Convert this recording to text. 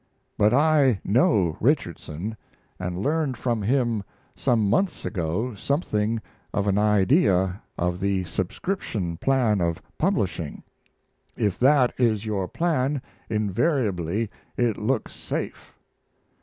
But I know Richardson, and learned from him some months ago something of an idea of the subscription plan of publishing. If that is your plan invariably it looks safe.